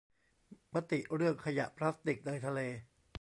มติเรื่องขยะพลาสติกในทะเล